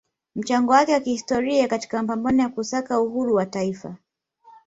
mchango wake wa kihistoria katika mapambano ya kusaka uhuru wa taifa